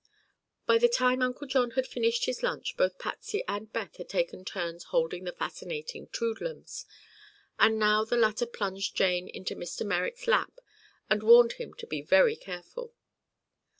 By the time Uncle John had finished his lunch both Patsy and Beth had taken turns holding the fascinating "Toodlums," and now the latter plunged Jane into Mr. Merrick's lap and warned him to be very careful.